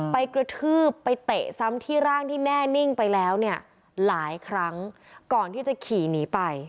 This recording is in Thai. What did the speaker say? กระทืบไปเตะซ้ำที่ร่างที่แน่นิ่งไปแล้วเนี่ยหลายครั้งก่อนที่จะขี่หนีไป